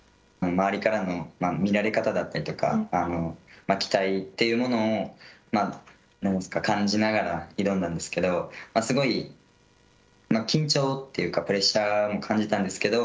周りからの見られ方だったりとか期待というものを感じながら挑んだんですけれどもすごい緊張というかプレッシャーも感じたんですけど